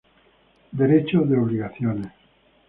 Derecho de Obligaciones.